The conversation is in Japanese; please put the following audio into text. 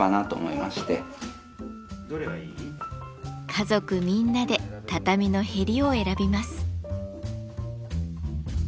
家族みんなで畳のへりを選びます。